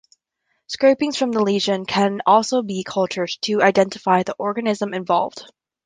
Scrapings from the lesion can also be cultured to identify the organism involved.